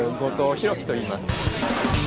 後藤宏樹といいます。